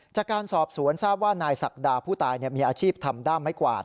จากการสอบสวนทราบว่านายศักดาผู้ตายมีอาชีพทำด้ามไม้กวาด